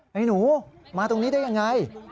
ไหนหนูมาตรงนี้ได้อย่างไร